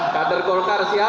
kader golkar siap